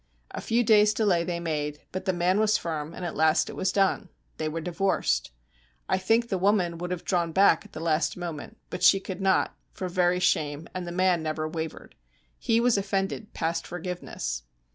A few days' delay they made, but the man was firm, and at last it was done. They were divorced. I think the woman would have drawn back at the last moment, but she could not, for very shame, and the man never wavered. He was offended past forgiveness.